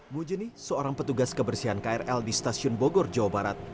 mujeni seorang petugas kebersihan krl di stasiun bogor jawa barat